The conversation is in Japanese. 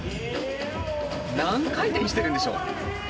何回転してるんでしょう？